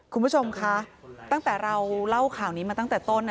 คุณผู้ชมคะตั้งแต่เราเล่าข่าวนี้มาตั้งแต่ต้น